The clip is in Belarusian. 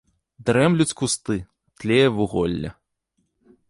Дрэмлюць кусты, тлее вуголле.